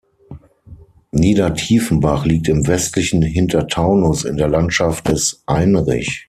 Niedertiefenbach liegt im westlichen Hintertaunus in der Landschaft des Einrich.